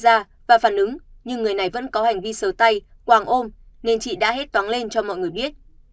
chị quy hất tay ra và phản ứng nhưng người này vẫn có hành vi sờ tay quàng ôm nên chị đã hết toáng lên cho mọi người biết